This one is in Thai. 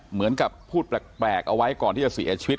เหมือนกับพูดแปลกเอาไว้ก่อนที่จะเสียชีวิต